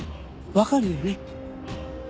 わかるよね？